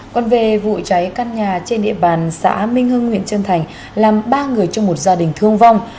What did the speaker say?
còn về vụ cháy căn nhà trên địa bàn xã minh hưng huyện trân thành làm ba người trong một gia đình thương vong